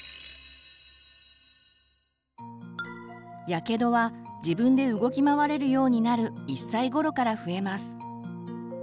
やけどは自分で動き回れるようになる１歳ごろから増えます。